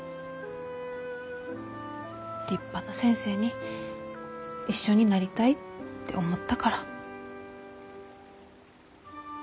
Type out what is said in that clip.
立派な先生に一緒になりたいって思ったから。